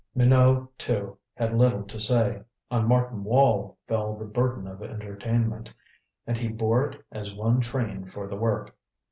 Minot, too, had little to say. On Martin Wall fell the burden of entertainment, and he bore it as one trained for the work.